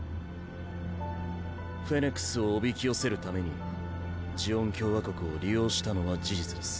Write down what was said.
フェネクスをおびき寄せるためにジオン共和国を利用したのは事実です。